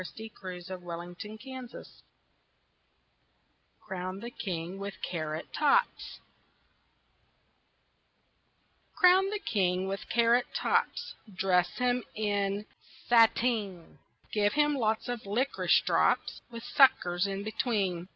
CROWN THE KING WITH CARROT TOPS Crown the king with carrot tops, Dress him in sateen, Give him lots of licorice drops, With suckers in between.